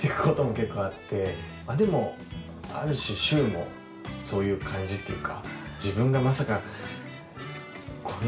でもある種柊もそういう感じっていうか。